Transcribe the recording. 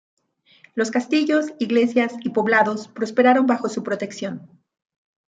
Los castillos, iglesias y poblados prosperaron bajo su protección.